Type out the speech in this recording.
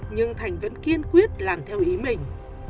nhưng thành vẫn kiên quyết làm theo ý mình